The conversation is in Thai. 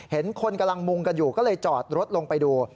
เห็นคนกำลังมุงกันอยู่ก็เลยจอดรถลงไปดู